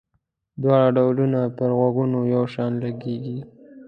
دواړه ډولونه پر غوږونو یو شان لګيږي.